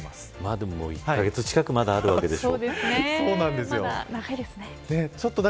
でも、１カ月近くまだあるわけでしょ。